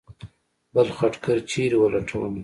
بل خټګر چېرې ولټومه.